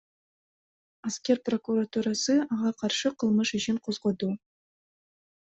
Аскер прокуратурасы ага каршы кылмыш ишин козгоду.